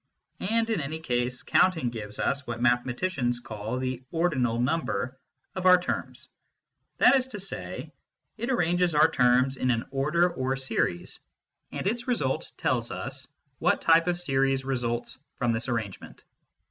And in any case, counting gives us what mathematicians call the ordinal number of our terms ; that is to say, it arranges our terms in an order or MATHEMATICS AND METAPHYSICIANS 87 series, and its result tells us what type of series results from this arrangement.